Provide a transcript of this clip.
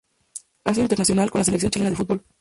Ha sido internacional con la Selección Chilena de Fútbol.